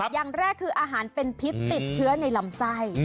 อย่างแรกคืออาหารเป็นพิษติดเชื้อในลำไส้